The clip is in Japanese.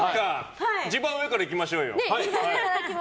一番上から行きましょうよ。